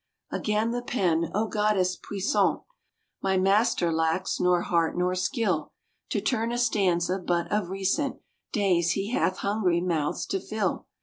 Again the Pen: "O goddess puissant, My master lacks nor heart nor skill To turn a stanza, but of recent Days he hath hungry mouths to fill.